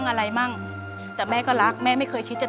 เปลี่ยนเพลงเก่งของคุณและข้ามผิดได้๑คำ